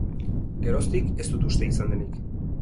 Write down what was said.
Geroztik, ez dut uste izan denik.